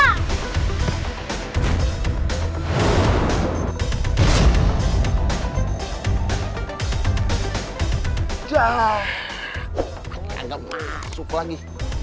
mati anda masuk lagi